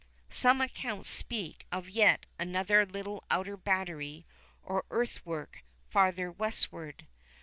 Some accounts speak of yet another little outer battery or earthwork farther westward.